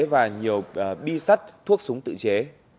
và nhiều bi sắt thuốc súng tự chế